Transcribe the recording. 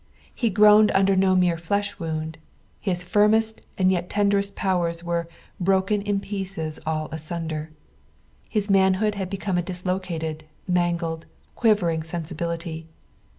lie groaned under no mere flesh wounds ; his firmest .aud yet tenderest powers wore "broken in pieces all asunder;" his manhood had become a dislocated, mangled, quivering sensibility.